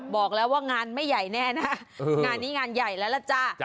บอกแล้วว่างานไม่ใหญ่แน่นะงานนี้งานใหญ่แล้วล่ะจ้า